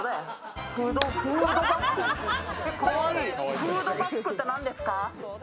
フードバッグって何ですか？